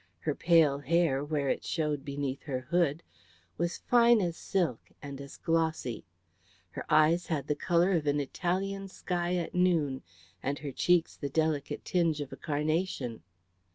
Her pale hair, where it showed beneath her hood, was fine as silk and as glossy; her eyes had the colour of an Italian sky at noon, and her cheeks the delicate tinge of a carnation.